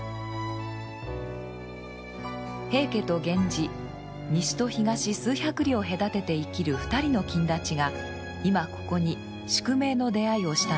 平家と源氏西と東数百里を隔てて生きる２人の公達が今ここに宿命の出会いをしたのです。